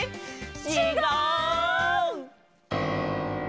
ちがう！